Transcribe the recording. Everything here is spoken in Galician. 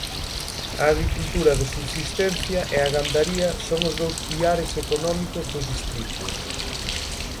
A agricultura de subsistencia e a gandaría son os dous piares económicos do distrito.